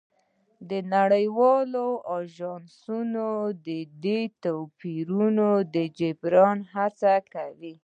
نړیوال اژانسونه د دې توپیرونو د جبران هڅه کوي